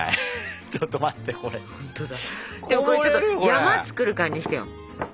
山作る感じにしてよ